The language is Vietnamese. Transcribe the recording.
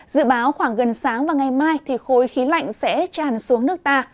dự báo khoảng gần sáng và ngày mai thì khối khí lạnh sẽ tràn xuống nước ta